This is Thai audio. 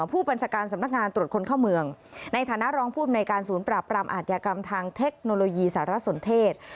ผู้บัญชาการสำนักงานตรวจคนเข้าเมืองในฐานะรองผู้อำนวยการศูนย์ปราบปรามอาทยากรรมทางเทคโนโลยีสารสนเทศ